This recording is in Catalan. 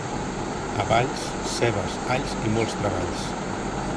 A Valls, cebes, alls i molts treballs.